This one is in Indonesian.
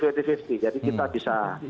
jadi kita bisa